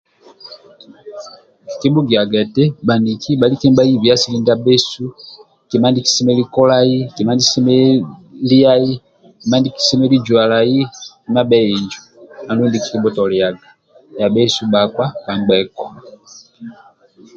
Kikibhugiaga eti bhaniki bhalike nibhaibi asili ndia bhesu kima ndie kisemelelu kolai, kima ndie kisemelelu liyai, kima ndie kisemelelu jwalai kima bhie injo andulu ndie kikibhutoliaga bhia bhesu bhakpa bhangbheku